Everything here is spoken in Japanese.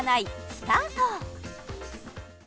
スタート